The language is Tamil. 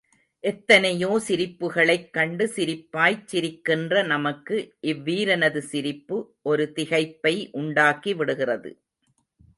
எத்தனையோ சிரிப்புகளைக்கண்டு சிரிப்பாய்ச் சிரிக்கின்ற நமக்கு, இவ் வீரனது சிரிப்பு ஒரு திகைப்பை உண்டாக்கி விடுகிறது.